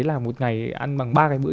là một ngày ăn bằng ba cái bữa